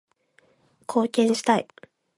貢献したい